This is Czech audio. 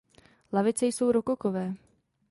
Lavice jsou rokokové.